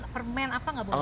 permen apa gak boleh